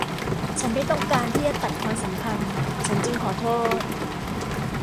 ฉันไม่ต้องการที่จะตัดความสัมพันธ์ฉันจึงขอโทษ